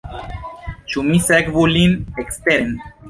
Ĉu mi sekvu lin eksteren?